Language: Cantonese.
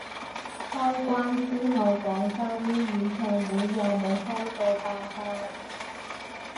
開關之後廣州啲演唱會有冇開到爆晒